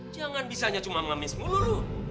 jangan bisanya cuma mengamis mulut